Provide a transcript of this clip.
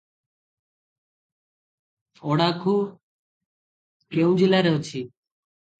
ଅଡାଖୁ କେଉଁ ଜିଲ୍ଲାରେ ଅଛି?